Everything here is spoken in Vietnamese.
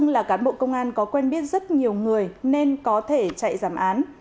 là cán bộ công an có quen biết rất nhiều người nên có thể chạy giảm án